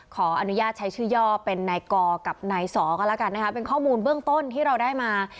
ขออนุญาตใช้ชื่อย่อเป็นนายกอกับนายสอกันแล้วกันนะคะเป็นข้อมูลเบื้องต้นที่เราได้มา